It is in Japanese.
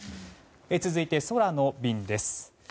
続いて、空の便です。